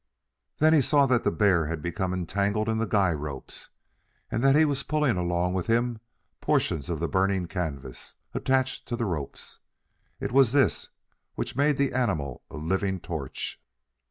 Then he saw that the bear had become entangled in the guy ropes, and that he was pulling along with him portions of the burning canvas, attached to the ropes. It was this which made the animal a living torch.